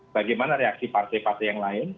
bagaimana reaksi partai partai yang lain